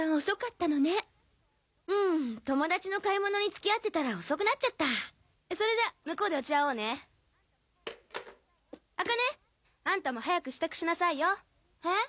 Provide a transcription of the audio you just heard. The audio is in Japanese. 遅かったのねうん友達の買い物に付き合ってたら遅くなっちゃったそれじゃ向こうで落ち合おうねあかねあんたも早く仕度しなさいよへ？